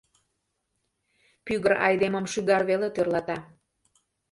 Пӱгыр айдемым шӱгар веле тӧрлата.